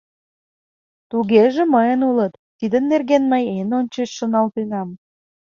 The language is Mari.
— Тугеже мыйын улыт, тидын нерген мый эн ончыч шоналтенам.